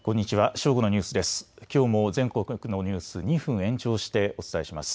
正午のニュースです。